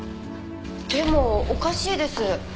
でもおかしいです。